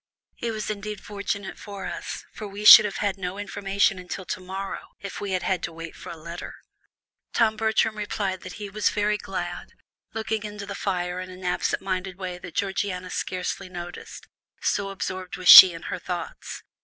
"It was indeed fortunate for us, for we should have had no information until to morrow, if we had had to wait for a letter." Tom Bertram repeated that he "was very glad," looking into the fire in an absent minded way that Georgiana scarcely noticed, so absorbed was she in her thoughts.